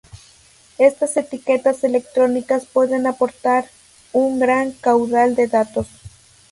Estas etiquetas electrónicas pueden aportar un gran caudal de datos.